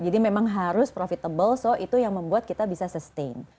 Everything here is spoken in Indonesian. jadi memang harus profitable so itu yang membuat kita bisa sustain